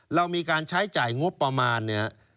เรามีการใช้จ่ายงบประมาณ